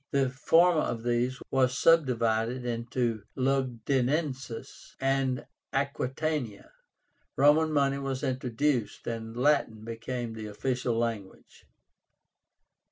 the former of these was subdivided into Lugdunensis and Aquitania. Roman money was introduced, and Latin became the official language.